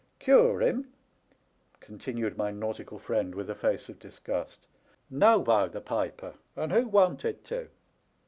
Cure him !" continued my nautical friend, with a face of disgust. "No, by the piper! and who wanted to?